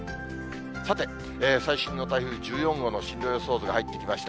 さて、最新の台風１４号の進路予想図が入ってきました。